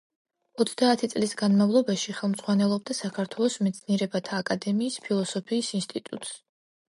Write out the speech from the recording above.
ოცდაათი წლის განმავლობაში ხელმძღვანელობდა საქართველოს მეცნიერებათა აკადემიის ფილოსოფიის ინსტიტუტს.